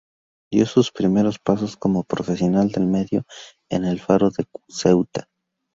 Dio sus primero pasos como profesional del medio en "El Faro de Ceuta".